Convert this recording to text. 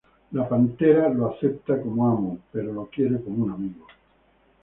La pantera lo acepta como amo, pero lo quiere como un amigo.